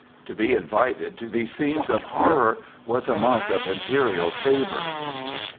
To be invited to these scenes of horror was a mark of imperial favor.